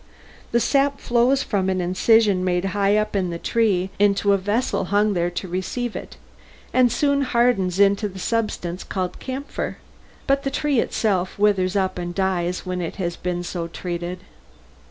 The sap flows from an incision made high up in the tree into a vessel hung there to receive it, and soon hardens into the substance called camphor, but the tree itself withers up and dies when it has been so treated.